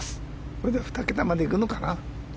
これで２桁までいくのかな。